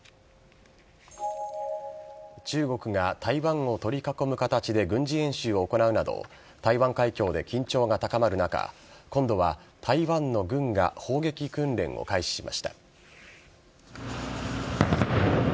中国が台湾を取り囲む形で軍事演習を行うなど、台湾海峡で緊張が高まる中、今度は台湾の軍が砲撃訓練を開始しました。